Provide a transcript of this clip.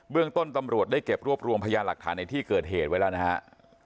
เรื่องต้นตำรวจได้เก็บรวบรวมพยานหลักฐานในที่เกิดเหตุไว้แล้วนะฮะ